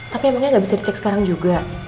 tapi emangnya nggak bisa dicek sekarang juga